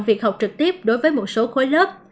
việc học trực tiếp đối với một số khối lớp